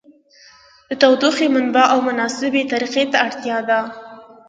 د تودوخې منبع او مناسبې طریقې ته اړتیا ده.